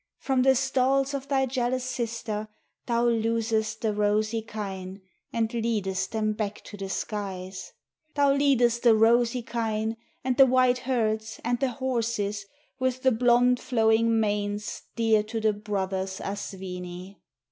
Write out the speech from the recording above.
from the stalls of thy jealous sister Thou loosest the rosy kine, and leadest them back to the skies; "Thou leadest the rosy kine, and the white herds, and the horses With the blond flowing manes dear to the brothers Asvini."